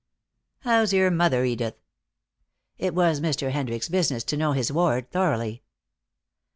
"How's your mother, Edith?" It was Mr. Hendricks' business to know his ward thoroughly.